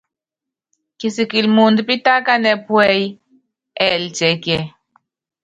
Kisikili muundɔ pitákanɛ́ puɛ́yí, ɛɛlɛ tiɛkiɛ?